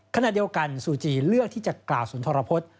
ขณะเดียวกันซูจีเลือกที่จะกล่าวสุนทรพฤษ